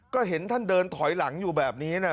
ก็เห็นท่านเดินถอยหลังอยู่แบบนี้นะ